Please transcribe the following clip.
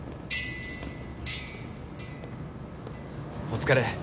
お疲れ。